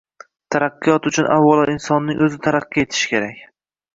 Taraqqiyot uchun, avvalo, insonning o‘zi taraqqiy etishi kerak